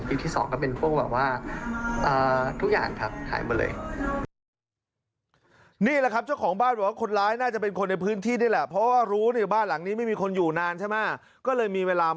ที่สองก็เป็นพวกแบบว่าทุกอย่างครับหายหมดเลย